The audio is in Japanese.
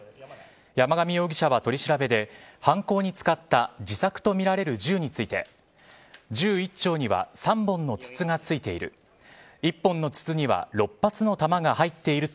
山上容疑者は、取り調べで犯行に使った自作とみられる銃について銃一丁には３本の筒がついている。